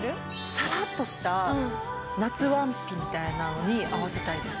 さらっとした夏ワンピみたいなのに合わせたいです